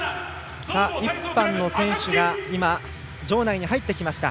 １班の選手が場内に入ってきました。